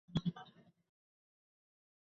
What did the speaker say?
Alice দুই সন্তানের মধ্যে সর্বকনিষ্ঠ ছিল।